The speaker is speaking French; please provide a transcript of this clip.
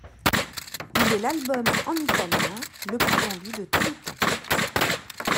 Il est l'album en italien le plus vendu de tous les temps.